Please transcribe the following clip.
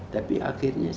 tapi akhirnya tidak